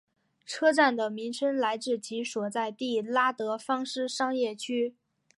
车站的名称来自其所在地拉德芳斯商业区。